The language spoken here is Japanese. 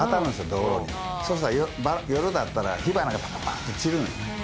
道路にそうしたら夜だったら火花がパパパッて散るんよね